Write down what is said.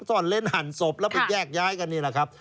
ซ่อนเล่นหั่นศพแล้วไปแยกย้ายกันนี่แหละครับ